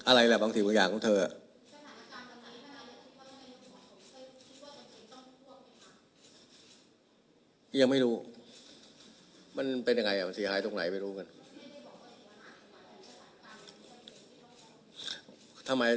อะไรแหละไว้บางสิ่งอื่นอย่างของเธอ